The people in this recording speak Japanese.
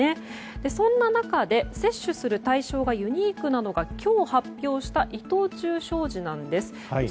そんな中で、接種する対象がユニークなのが今日、発表した伊藤忠商事なんです。